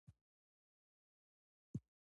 د سیاسي او اقتصادي بنسټونو پر سر وې.